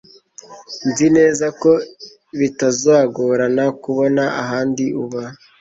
Nzi neza ko bitazagorana kubona ahandi uba.